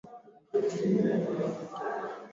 aa marekani na jamii ya kimataifa